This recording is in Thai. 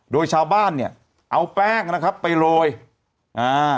โดยชาวบ้านเนี่ยเอาแป้งนะครับไปโรยอ่า